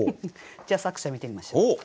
じゃあ作者見てみましょう。